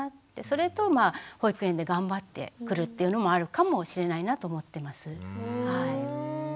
それと保育園で頑張ってくるっていうのもあるかもしれないなと思ってます。